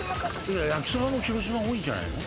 いや焼きそばも広島多いんじゃないの？